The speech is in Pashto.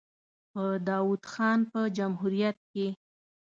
په داوود خان په جمهوریت کې.